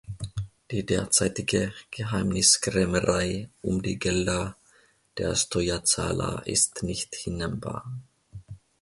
Die derzeitige Geheimniskrämerei um die Gelder der Steuerzahler ist nicht hinnehmbar.